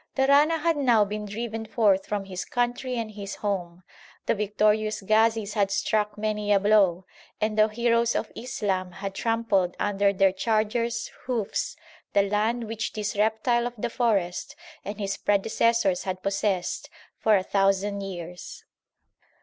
The Rana had now been driven forth from his country and his home, the victorious Ghazis had struck many a blow, and the heroes of Islam had trampled under their chargers hoofs the land which this reptile of the forest and his predecessors had possessed for a thousand years.